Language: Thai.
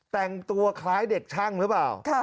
แต่งตัวคล้ายเด็กช่างหรือเปล่า